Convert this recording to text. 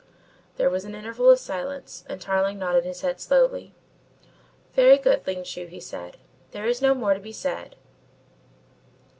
There was an interval of silence, and Tarling nodded his head slowly. "Very good, Ling Chu," he said, "there is no more to be said."